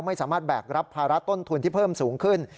ไม่สามารถแบกรับภาระต้นทุนที่เพิ่มสูงขึ้น